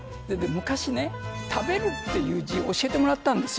昔、食べるという字を教えてもらったんです。